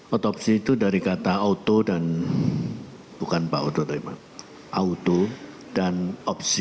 otopsi itu dari kata auto dan bukan pak oto tapi pak auto dan opsi